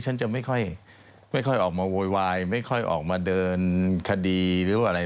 ฉันจะไม่ค่อยออกมาโวยวายไม่ค่อยออกมาเดินคดีหรืออะไร